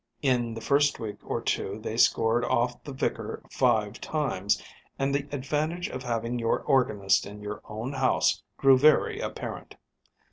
In the first week or two they scored off the vicar five times, and the advantage of having your organist in your own house grew very apparent.